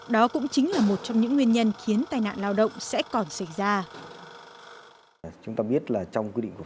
đó cũng chính là một trong những nguyên nhân khiến tai nạn lao động sẽ còn xảy ra